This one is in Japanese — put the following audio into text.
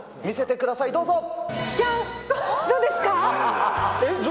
見せてください、どうぞ。